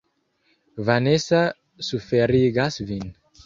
Vanesa suferigas vin.